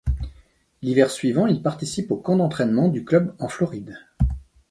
L'hiver suivant, il participe au camp d’entraînement du club en Floride.